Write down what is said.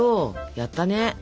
やったね。